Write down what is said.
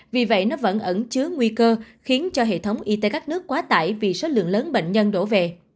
vì vậy nó vẫn ẩn chứa nguy cơ khiến cho hệ thống y tế các nước quá tải vì số lượng lớn bệnh nhân đổ về